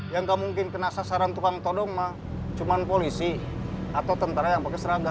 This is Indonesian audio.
yang gak mungkin kena sasaran tukang todoma cuma polisi atau tentara yang pakai seraga